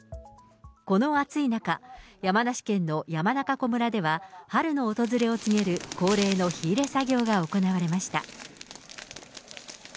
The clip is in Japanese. この暑い中、山梨県の山中湖村では、春の訪れを告げる恒例の火入れ作業が行われました。